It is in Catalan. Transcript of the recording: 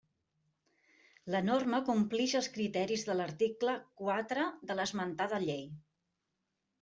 La norma complix els criteris de l'article quatre de l'esmentada llei.